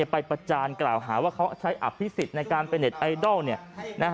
ประจานกล่าวหาว่าเขาใช้อภิษฎในการเป็นเน็ตไอดอล